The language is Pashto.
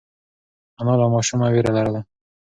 انا له ماشومه وېره لرله.